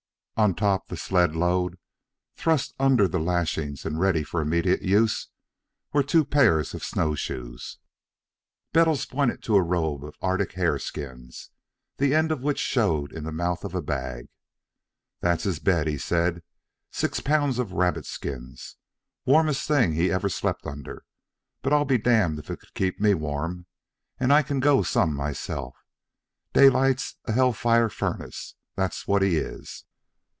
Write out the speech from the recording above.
On top the sled load, thrust under the lashings and ready for immediate use, were two pairs of snowshoes. Bettles pointed to a robe of Arctic hare skins, the end of which showed in the mouth of a bag. "That's his bed," he said. "Six pounds of rabbit skins. Warmest thing he ever slept under, but I'm damned if it could keep me warm, and I can go some myself. Daylight's a hell fire furnace, that's what he is."